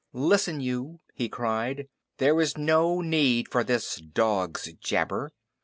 "Listen you!" he cried. "There is no need for this dog's jabber.